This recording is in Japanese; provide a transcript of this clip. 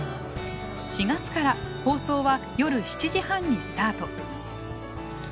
４月から放送は夜７時半にスタート。